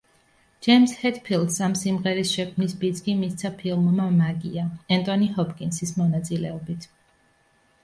ჯეიმზ ჰეტფილდს ამ სიმღერის შექმნის ბიძგი მისცა ფილმმა „მაგია“, ენტონი ჰოპკინზის მონაწილეობით.